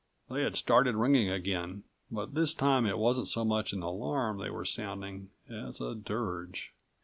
They had started ringing again, but this time it wasn't so much an alarm they were sounding as a dirge.